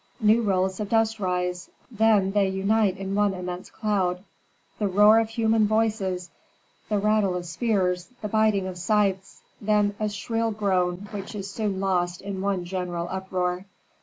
New rolls of dust rise, then they unite in one immense cloud. The roar of human voices, the rattle of spears, the biting of scythes, then a shrill groan which is soon lost in one general uproar.